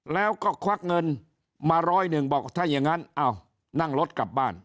แล้วก็ควักเงินมาร้อยหนึ่งบอกถ้าอย่างนั้นอ้าวนั่งรถกลับบ้าน